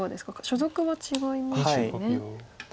所属は違いますよね。